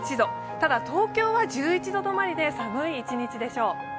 ただ東京は１１度止まりで寒い一日でしょう。